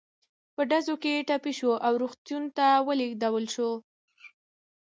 په ډزو کې ټپي شو او روغتون ته ولېږدول شو.